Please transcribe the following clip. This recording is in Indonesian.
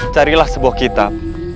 carilah sebuah kitab